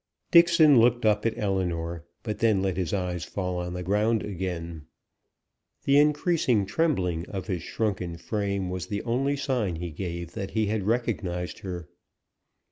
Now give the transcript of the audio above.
Dixon looked up at Ellinor, but then let his eyes fall on the ground again; the increasing trembling of his shrunken frame was the only sign he gave that he had recognised her.